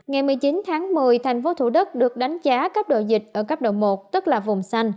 ngày một mươi chín tháng một mươi thành phố thủ đức được đánh giá cấp độ dịch ở cấp độ một tức là vùng xanh